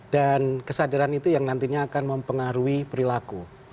kesadaran itu yang nantinya akan mempengaruhi perilaku